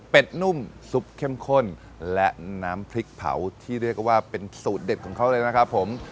เป็นนุ่มซุปเข้มข้นและน้ำพริกเผาที่เรียกว่าเป็นสูตรเด็ดของเขาเลยนะครับผม